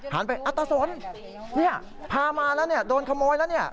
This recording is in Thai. หันไปตะสนพามาแล้วโดนขโมยแล้ว